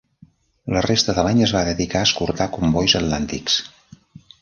La resta de l'any es va dedicar a escortar combois atlàntics.